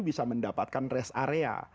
bisa mendapatkan rest area